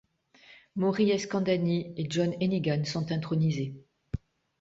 Mori Eskandani et John Hennigan sont intronisés.